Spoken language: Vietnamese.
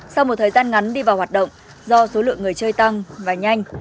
sau một thời gian ngắn đi vào hoạt động do số lượng người chơi tăng và nhanh